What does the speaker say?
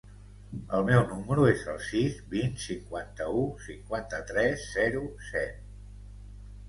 El meu número es el sis, vint, cinquanta-u, cinquanta-tres, zero, set.